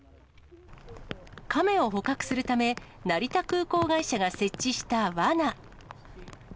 カメを捕獲するため、成田空港会社が設置したわな。